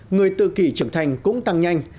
người tự kỷ trưởng thành cũng tăng nhanh